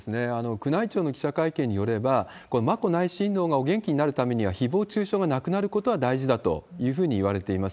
宮内庁の記者会見によれば、眞子内親王がお元気になるためには、ひぼう中傷がなくなることが大事だというふうにいわれています。